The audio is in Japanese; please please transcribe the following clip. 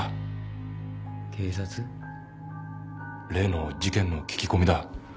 警察？例の事件の聞き込みだ。